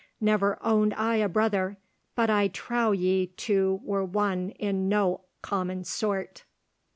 Never owned I brother, but I trow ye two were one in no common sort."